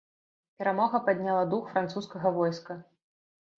Перамога падняла дух французскага войска.